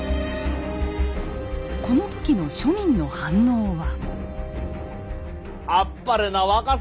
この時の庶民の反応は。